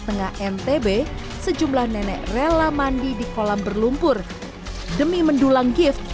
tengah ntb sejumlah nenek rela mandi di kolam berlumpur demi mendulang gift